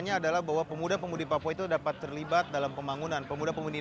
gambaran ini terlihat jelas dari enam panggung yang secara bergantian